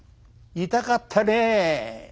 痛かったね。